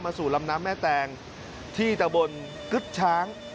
สู่ลำน้ำแม่แตงที่ตะบนกึ๊ดช้าง